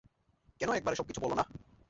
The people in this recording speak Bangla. কেন একবারে সবকিছু বলো না?